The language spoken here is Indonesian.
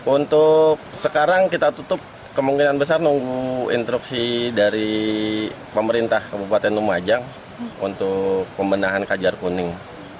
untuk sekarang kita tutup kemungkinan besar nunggu instruksi dari pemerintah kabupaten lumajang untuk pembenahan kajar kuning